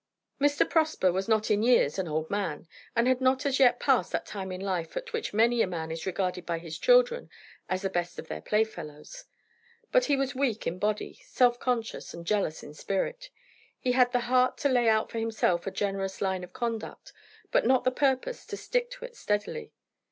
Mr. Prosper was not in years an old man, and had not as yet passed that time of life at which many a man is regarded by his children as the best of their playfellows. But he was weak in body, self conscious, and jealous in spirit. He had the heart to lay out for himself a generous line of conduct, but not the purpose to stick to it steadily.